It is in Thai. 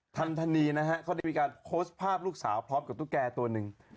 ทันทณีเขาได้ติดโภสต์ภาพลูกสาวพร้อมกับตุ๊กแกตัวนึง